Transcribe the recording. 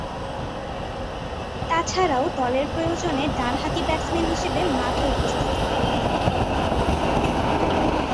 তাছাড়াও দলের প্রয়োজনে ডানহাতি ব্যাটসম্যান হিসেবে মাঠে উপস্থিত হন।